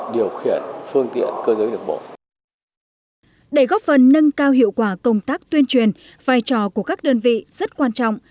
để góp phần nâng cao hiệu quả công tác tuyên truyền vai trò của các đơn vị rất quan trọng